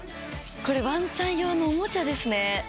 これワンちゃん用のおもちゃですね。